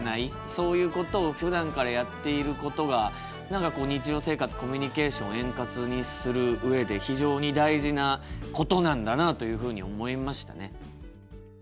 そういうことをふだんからやっていることが何かこう日常生活コミュニケーションを円滑にする上で非常に大事なことなんだなあというふうに思いましたね。